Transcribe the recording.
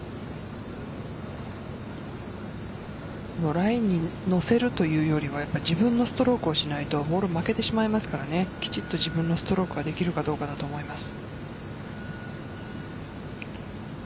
ラインに乗せるというよりは自分のストロークをしないとボールが負けてしまいますからきちっと自分のストロークができるかどうかだと思います。